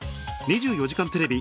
『２４時間テレビ』